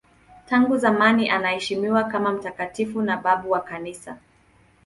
Tangu zamani anaheshimiwa kama mtakatifu na babu wa Kanisa.